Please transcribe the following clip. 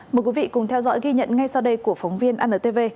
mời quý vị cùng theo dõi ghi nhận ngay sau đây của phóng viên antv